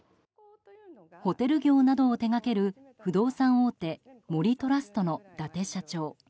ホテル業などを手掛ける不動産大手森トラストの伊達社長。